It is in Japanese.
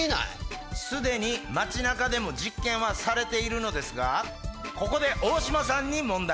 すでに街中でも実験はされているのですがここでオオシマさんに問題！